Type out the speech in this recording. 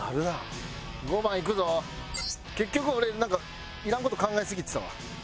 結局俺なんかいらん事考えすぎてたわ。